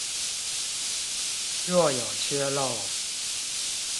若有缺漏